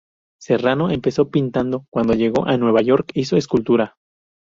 Serrano empezó pintando, cuando llegó a Nueva York hizo escultura.